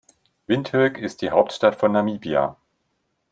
Windhoek ist die Hauptstadt von Namibia.